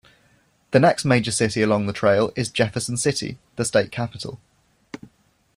The next major city along the trail is Jefferson City - the state capital.